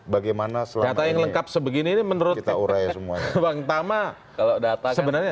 bagaimana selangkang lengkap sebegini menurut kita uraya semuanya bang tamah kalau data sebenarnya